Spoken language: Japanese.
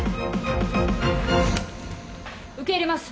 「受け入れます。